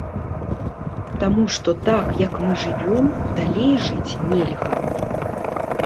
Таму што так, як мы жывём, далей жыць нельга.